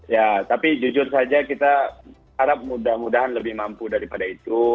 ya tapi jujur saja kita harap mudah mudahan lebih mampu daripada itu